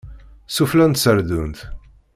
Sufella n tserdunt.